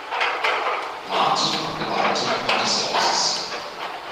Martin geweihten Gotteshauses.